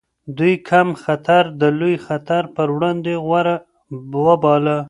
دوی کم خطر د لوی خطر پر وړاندې غوره وباله.